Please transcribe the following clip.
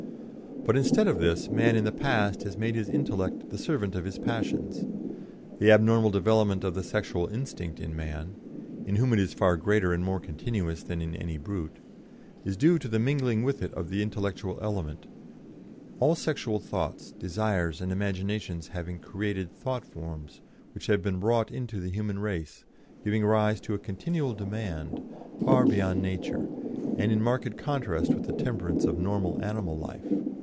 But, instead of this, man in the past has made his intellect the servant of his passions; the abnormal development of the sexual instinct in man in whom it is far greater and more continuous than in any brute is due to the mingling with it of the intellectual element, all sexual thoughts, desires, and imaginations having created thought forms, which have been wrought into the human race, giving rise to a continual demand, far beyond nature, and in marked contrast with the temperance of normal animal life.